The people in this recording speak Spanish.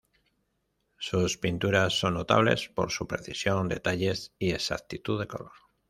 Sus pinturas son notables por su precisión, detalles, y exactitud de color.